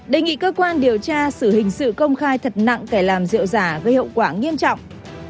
đề nghị cơ quan điều tra xử hình sự công khai thật nặng kẻ làm rượu giả gây hậu quả nghiêm trọng